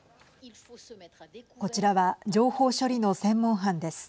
こちらは情報処理の専門班です。